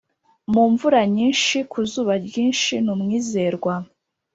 Mu mvura nyinshi ku zuba ryinshi ni umwizerwa